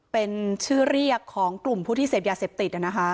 เป็นชื่อเรียกของกลุ่มผู้ที่เสพยาเสพติด